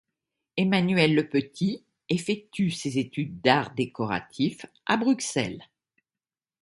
Emmanuel Le Petit effectue ses études d'arts décoratifs à Bruxelles.